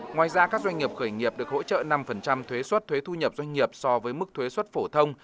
ngoài ra các doanh nghiệp khởi nghiệp được hỗ trợ năm thuế xuất thuế thu nhập doanh nghiệp so với mức thuế xuất phổ thông